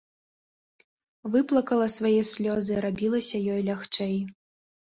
Выплакала свае слёзы, рабілася ёй лягчэй.